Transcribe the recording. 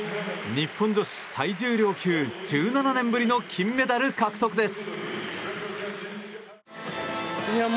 日本女子最重量級１７年ぶりの金メダル獲得です。